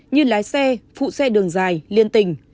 như lái xe phụ xe đường dài liên tình